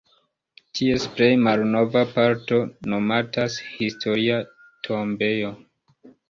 Ties plej malnova parto nomatas "Historia tombejo".